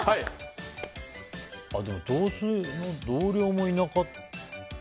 でも同姓の同僚もいなかった。